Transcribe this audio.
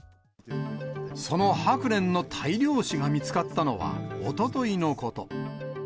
そのハクレンの大量死が見つかったのは、おとといのこと。